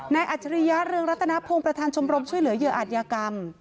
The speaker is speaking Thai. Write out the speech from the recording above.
นายอัจริยาเรืองรัตนภงประธานชมบรมช่วยเหลือเยอะอาชญากรรม